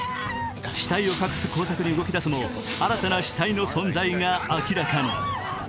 死体を隠す工作に動き出すも新たな死体の存在が明らかに。